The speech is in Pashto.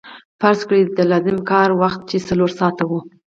فرض کړئ د لازم کار وخت چې څلور ساعته وو